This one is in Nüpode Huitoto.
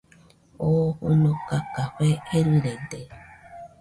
Oo fɨnoka café erɨrede